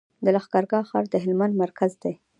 د لښکرګاه ښار د هلمند مرکز دی